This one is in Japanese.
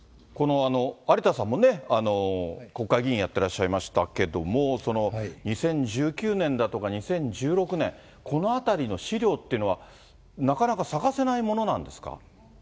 有田さんもね、国会議員やってらっしゃいましたけれども、２０１９年だとか、２０１６年、このあたりの資料というのは、なかなか探せないものなんですか。